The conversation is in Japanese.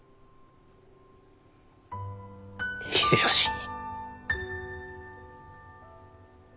秀吉に。